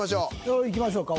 俺いきましょうか。